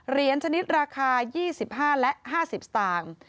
เหรียญชนิดราคา๒๕และ๕๐สตางค์